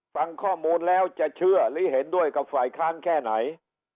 ฟังข้อมูลแล้วจะเชื่อหรือเห็นด้วยกับฝ่ายค้านแค่ไหน